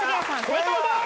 正解です。